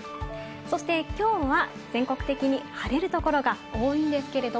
そして今日は全国的に晴れる所が多いんですけど。